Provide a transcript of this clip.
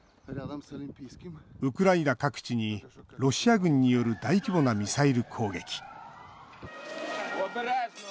ウクライナ各地にロシア軍による大規模なミサイル攻撃。